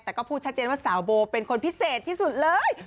แต่ก็พูดชัดเจนว่าสาวโบเป็นคนพิเศษที่สุดเลย